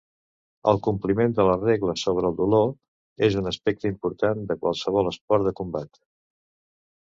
El compliment de les regles sobre el dolor és un aspecte important de qualsevol esport de combat.